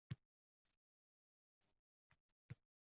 Necha-necha cho’kar tun.